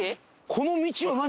この道は何？